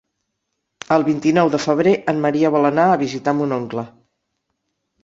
El vint-i-nou de febrer en Maria vol anar a visitar mon oncle.